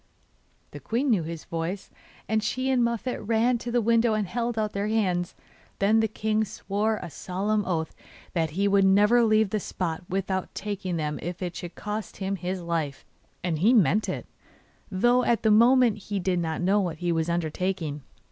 The queen knew his voice, and she and Muffette ran to the window and held out their hands. Then the king swore a solemn oath that he would never leave the spot without taking them if it should cost him his life; and he meant it, though at the moment he did not know what he was undertaking.